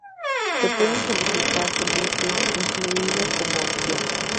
Se pueden solicitar con Bluetooth incluido como opción.